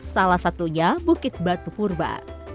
salah satunya bukit batu purba